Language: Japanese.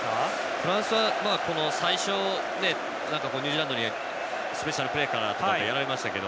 フランスは最初ニュージーランドにスペシャルプレーとかでやられましたが。